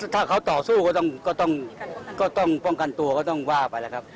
ถ้าเขาต่อสู้ก็ต้องป้องกันตัวก็ต้องว่าไปแล้วครับ